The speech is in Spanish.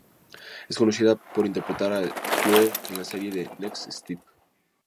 Es conocida por interpretar a Chloe en la serie The Next Step.